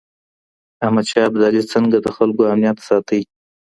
احمد شاه ابدالي څنګه د خلګو امنيت ساته؟